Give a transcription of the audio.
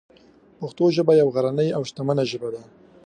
پښتو ژبه یوه لرغونې او شتمنه ژبه ده.